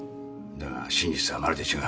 だが真実はまるで違う。